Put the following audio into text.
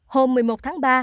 hôm một mươi một tháng ba